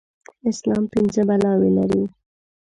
اسلام پينځه بلاوي لري.